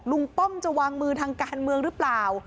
ป้อมจะวางมือทางการเมืองหรือเปล่า